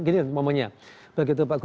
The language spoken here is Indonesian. gini maksudnya pak gubernur